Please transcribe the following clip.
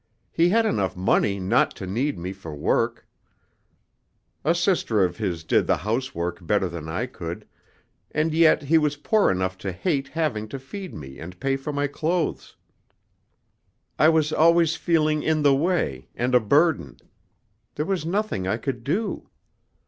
He had enough money not to need me for work a sister of his did the housework better than I could and yet he was poor enough to hate having to feed me and pay for my clothes. I was always feeling in the way, and a burden. There was nothing I could do.